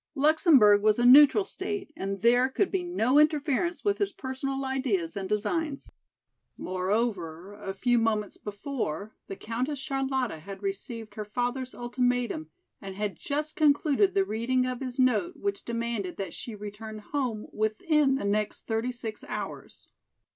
Luxemburg was a neutral state and there could be no interference with his personal ideas and designs. Moreover, a few moments before the Countess Charlotta had received her father's ultimatum and had just concluded the reading of his note which demanded that she return home within the next thirty six hours.